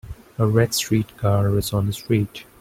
A red streetcar is on the street.